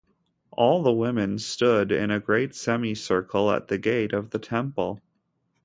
All the women stood in a great semicircle at the gate of the temple.